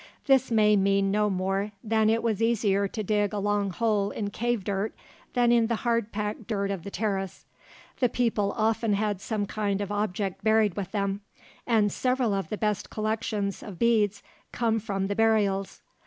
This may mean no more than that it was easier to dig a long hole in cave dirt than in the hard packed dirt of the terrace. The people often had some kind of object buried with them, and several of the best collections of beads come from the burials.